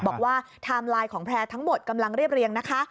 ไทม์ไลน์ของแพร่ทั้งหมดกำลังเรียบเรียงนะคะ